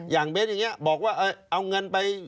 อย่างเบสอย่างนี้บอกว่าเอาเงินไป